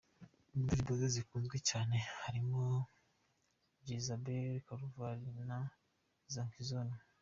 Mu ndirimbo ze zikunzwe cyane harimo Jezabel, Calvary na Zonk’izono.